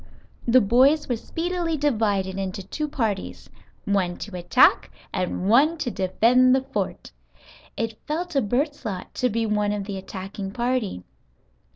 The boys were speedily divided into two parties, one to attack and one to defend the fort. It fell to Bert's lot to be one of the attacking party.